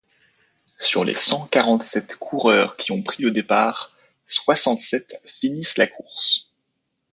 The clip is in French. Sur les cent-quarante-sept coureurs qui ont pris le départ, soixante-sept finissent la course.